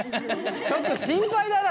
ちょっと心配だな！